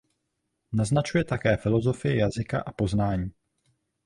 Naznačuje také filosofii jazyka a poznání.